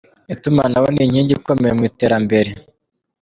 Itumanaho ni inkingi ikomeye mu iterambere.